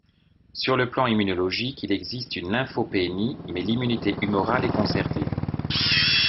Sur le plan immunologique il existe une lymphopénie mais l'immunité humorale est conservée.